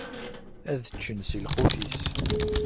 Ad ččen si lqut-is.